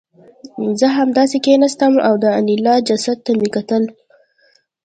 زه همداسې کېناستم او د انیلا جسد ته مې کتل